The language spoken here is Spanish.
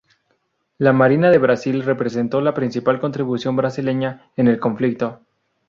La Marina de Brasil representó la principal contribución brasileña en el conflicto.